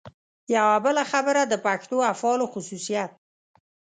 یوه بله خبره د پښتو افعالو خصوصیت.